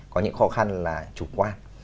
có những khó khăn là chủ quan